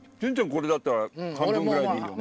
これだったら半分ぐらいでいいよね。